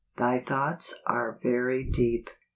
" Thy thoughts are venj deep.